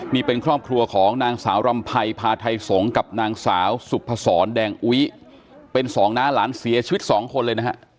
นี่เป็นครอบครัวของนางสาวรำไพรพาไทยสงฆ์กับนางสาวสุพศรแดงอุ๊ยเป็นสองน้าหลานเสียชีวิตสองคนเลยนะฮะ